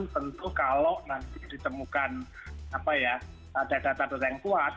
tentu kalau nanti ditemukan ada data data yang kuat